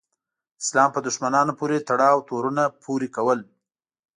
د اسلام په دښمنانو پورې تړاو تورونه پورې کول.